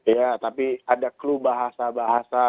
ya tapi ada clue bahasa bahasa